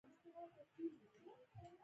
او دَمرګ نه وروستو ئې ليک